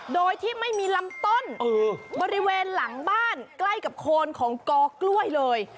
โดยที่ไม่มีลำต้นบริเวณหลังบ้านใกล้กับโคนของกอกล้วยเลย